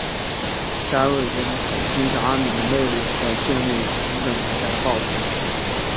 加瑞根很欣赏阿敏的魅力和建立平等国家的抱负。